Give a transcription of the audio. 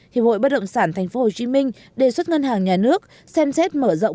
hiệp hội bất động sản tp hcm đề xuất ngân hàng nhà nước xem xét mở rộng